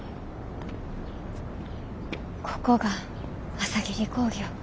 ここが朝霧工業。